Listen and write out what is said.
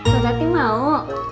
pak tati mau